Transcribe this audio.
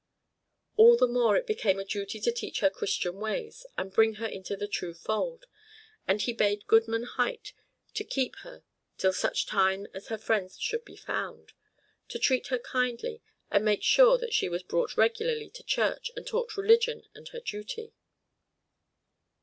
All the more it became a duty to teach her Christian ways and bring her into the true fold; and he bade Goodman Huyt to keep her till such time as her friends should be found, to treat her kindly, and make sure that she was brought regularly to church and taught religion and her duty.